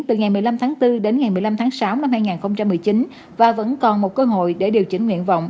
từ ngày một mươi năm tháng bốn đến ngày một mươi năm tháng sáu năm hai nghìn một mươi chín và vẫn còn một cơ hội để điều chỉnh nguyện vọng